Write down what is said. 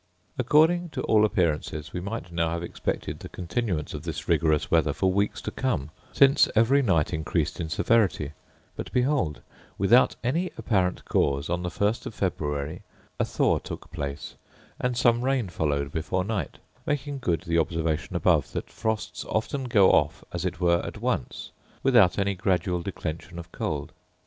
According to all appearances we might now have expected the continuance of this rigorous weather for weeks to come, since every night increased in severity; but behold, without any apparent cause, on the 1st of February a thaw took place, and some rain followed before night; making good the observation above, that frosts often go off as it were at once, without any gradual declension of cold.